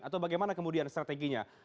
atau bagaimana kemudian strateginya